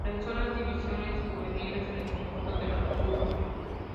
Realizó las divisiones juveniles en el conjunto de la curva.